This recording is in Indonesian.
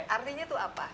artinya itu apa